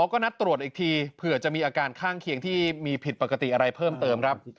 ก็นัดตรวจอีกทีเผื่อจะมีอาการข้างเคียงที่มีผิดปกติอะไรเพิ่มเติมครับ